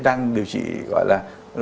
đang điều trị gọi là